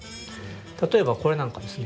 例えばこれなんかですね